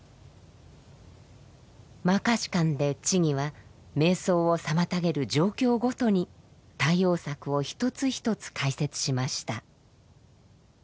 「摩訶止観」で智は瞑想を妨げる状況ごとに対応策を一つ一つ解説しました。